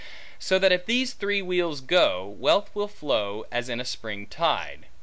So that if these three wheels go, wealth will flow as in a spring tide.